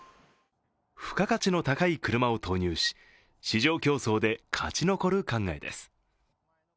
付加価値の高い車を投入し、市場競争で勝ち残る考えです。